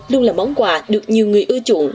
luôn là món quà được nhiều người ưu chuộng